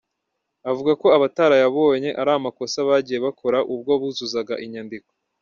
Avuga ko abatarayabonye ari amakosa bagiye bakora ubwo buzuzaga inyandiko.